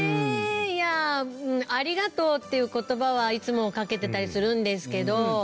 いやあうんありがとうっていう言葉はいつもかけてたりするんですけど。